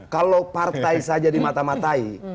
kalau partai saja dimata matai